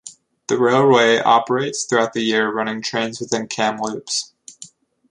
The railway operates throughout the year running trains within Kamloops.